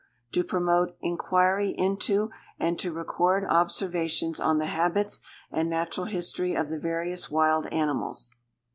To promote inquiry into, and to record observations on the habits and natural history of, the various wild animals.